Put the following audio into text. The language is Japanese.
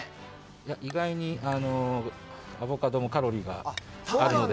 意外にアボカドもカロリーがあるので。